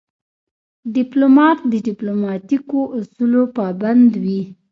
ډيپلومات د ډیپلوماتیکو اصولو پابند وي.